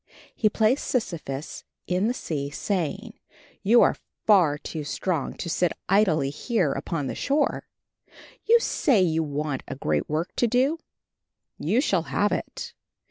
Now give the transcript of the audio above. He placed Sisyphus in the sea saying, "You are far too strong to sit idly here upon the shore. You say you want a great work to do; you shall have it.